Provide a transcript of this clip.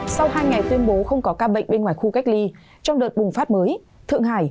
sau hai ngày tuyên bố không có ca bệnh bên ngoài khu cách ly trong đợt bùng phát mới thượng hải